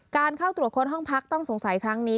การเข้าตรวจค้นห้องพักต้องสงสัยครั้งนี้